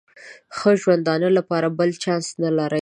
د ښه ژوندانه لپاره بل چانس نه لري.